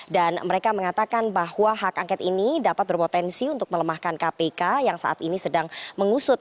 dan mereka mengatakan bahwa hak angkat ini dapat berpotensi untuk melemahkan kpk yang saat ini sedang mengusut